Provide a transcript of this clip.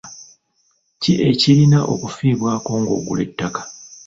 Ki ekirina okufiibwako ng'ogula ettaka?